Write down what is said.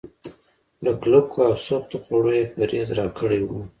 له کلکو او سختو خوړو يې پرهېز راکړی و.